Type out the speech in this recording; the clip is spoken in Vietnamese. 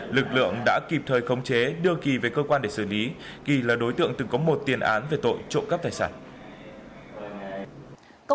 lực lượng đã kịp thời khống chế đưa kỳ về cơ quan để xử lý kỳ là đối tượng từng có một tiền án về tội trộm cắp tài sản